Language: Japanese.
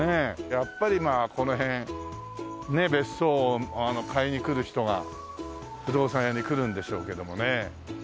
やっぱりまあこの辺ね別荘を買いに来る人が不動産屋に来るんでしょうけどもね。